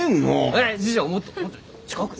えっ師匠もっと近くで。